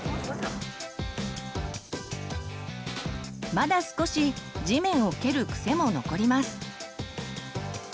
まだ少し地面を蹴る癖も残ります。